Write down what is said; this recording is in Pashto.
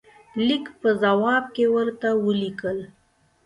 لیک په جواب کې ورته ولیکل.